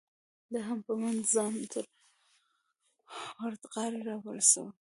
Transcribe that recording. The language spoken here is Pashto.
ده هم په منډه ځان تر وردغاړې را ورسو.